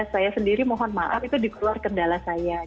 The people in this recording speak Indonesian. saya sendiri mohon maaf itu dikeluar kendala saya